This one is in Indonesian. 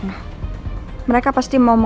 lo dimana masih di bogor